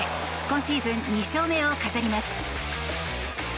今シーズン２勝目を飾ります。